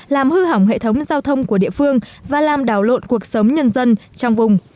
làm hư hỏng hệ thống giao thông của địa phương và làm đảo lộn cuộc sống nhân dân trong vùng